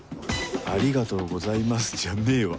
「ありがとうございます」じゃねえわ